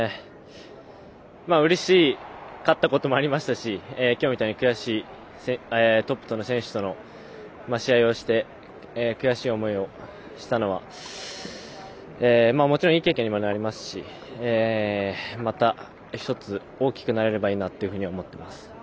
うれしかったこともありましたし今日みたいに悔しいトップ選手との試合をして悔しい思いをしたのはもちろんいい経験にもなりますしまた、１つ大きくなれればいいなと思っています。